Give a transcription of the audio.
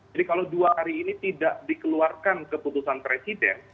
jadi kalau dua hari ini tidak dikeluarkan keputusan presiden